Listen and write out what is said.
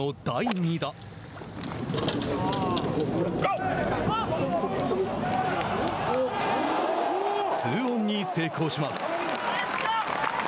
２オンに成功します。